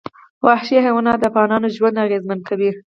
وحشي حیوانات د افغانانو ژوند اغېزمن کوي.